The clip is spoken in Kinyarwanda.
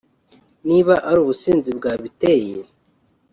niba ari ubusinzi bwabiteye